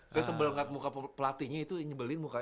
saya sebelum ngeliat muka pelatihnya itu nyebelin mukanya